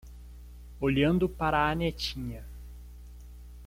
Olhando para a netinha